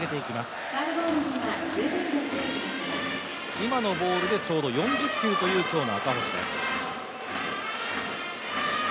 今のボールでちょうど４０球という今日の赤星です。